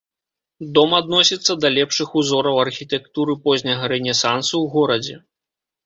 Дом адносіцца да лепшых узораў архітэктуры позняга рэнесансу ў горадзе.